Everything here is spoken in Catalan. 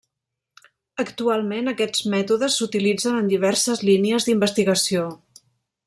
Actualment aquests mètodes s'utilitzen en diverses línies d'investigació.